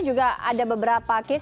juga ada beberapa kes